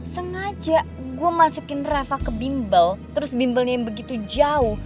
sengaja gue masukin rafa ke bimbel terus bimbelnya yang begitu jauh